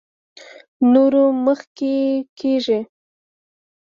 نورو مخکې کېږي.